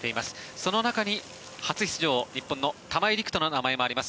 その中に初出場、日本の玉井陸斗の名前もあります。